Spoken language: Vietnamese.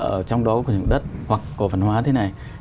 ở trong đó có quyền đất hoặc cổ phần hóa thế này